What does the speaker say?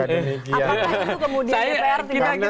apakah itu kemudian di prt